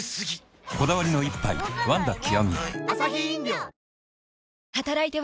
こだわりの一杯「ワンダ極」